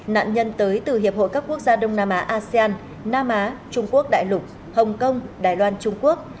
nạn nhân tới từ hiệp hội các quốc gia đông nam á asean nam á trung quốc đại lục hồng kông đài loan trung quốc